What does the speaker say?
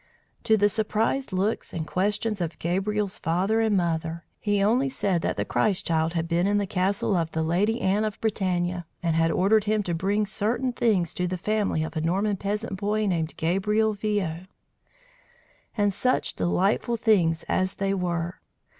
To the surprised looks and questions of Gabriel's father and mother, he only said that the Christ child had been in the castle of the Lady Anne of Bretagne, and had ordered him to bring certain things to the family of a Norman peasant boy named Gabriel Viaud. And such delightful things as they were!